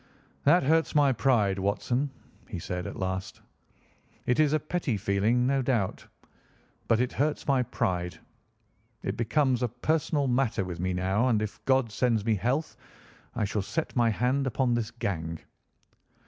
"That hurts my pride, Watson," he said at last. "It is a petty feeling, no doubt, but it hurts my pride. It becomes a personal matter with me now, and, if God sends me health, I shall set my hand upon this gang.